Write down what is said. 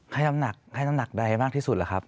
ให้น้ำหนักให้น้ำหนักใดมากที่สุดหรือครับ